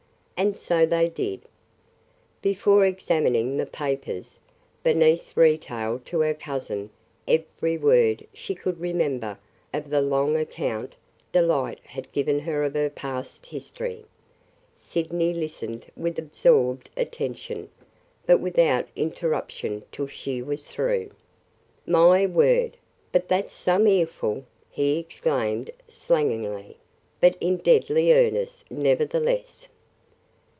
And so they did. Before examining the papers, Bernice retailed to her cousin every word she could remember of the long account Delight had given her of her past history. Sydney listened with absorbed attention, but without interruption till she was through. "My word! but that 's some earful!" he exclaimed slangily, but in deadly earnest, nevertheless.